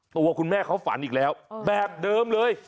ตัวคุณแม่เขาฝันอีกแล้วแบบเดิมเลย